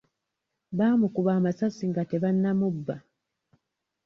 Baamukuba amasasi nga tebannamubba.